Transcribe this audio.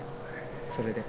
それで。